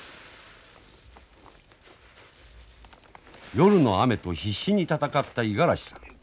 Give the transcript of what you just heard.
夜の雨と必死に闘った五十嵐さん。